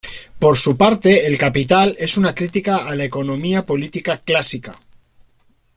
Por su parte "El Capital" es una crítica a la economía política clásica.